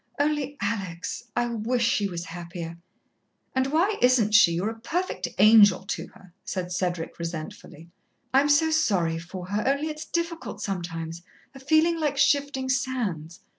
Only Alex I wish she was happier!" "And why isn't she? You're a perfect angel to her," said Cedric resentfully. "I'm so sorry for her only it's difficult sometimes a feeling like shifting sands.